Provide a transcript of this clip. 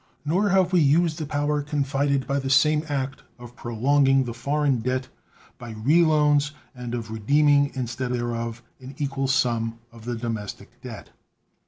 Nor have we used the power confided by the same act of prolonging the foreign debt by reloans, and of redeeming instead thereof an equal sum of the domestic debt.